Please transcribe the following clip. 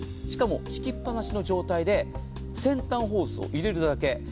しかも、敷きっぱなしの状態で先端ホースを入れるだけ。